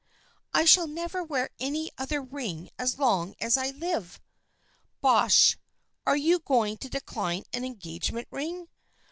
I shall never wear any other ring as long as I live." " Bosh ! Are you going to decline an engage ment ring